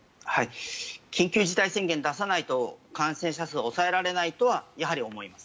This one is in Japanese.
緊急事態宣言出さないと感染者数が抑えられないとはやはり、思います。